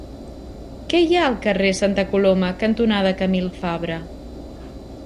Què hi ha al carrer Santa Coloma cantonada Camil Fabra?